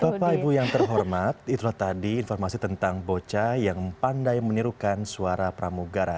bapak ibu yang terhormat itulah tadi informasi tentang bocah yang pandai menirukan suara pramugara